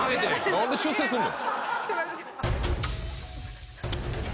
何で出世すんの？